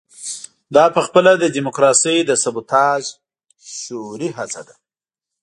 دا پخپله د ډیموکراسۍ د سبوتاژ شعوري هڅه ده.